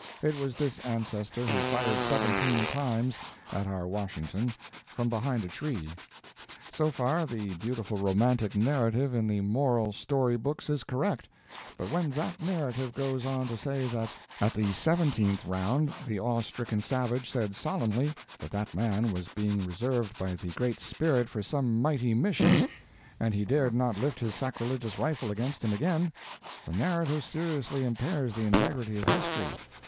It was this ancestor who fired seventeen times at our Washington from behind a tree. So far the beautiful romantic narrative in the moral story books is correct; but when that narrative goes on to say that at the seventeenth round the awe stricken savage said solemnly that that man was being reserved by the Great Spirit for some mighty mission, and he dared not lift his sacrilegious rifle against him again, the narrative seriously impairs the integrity of history.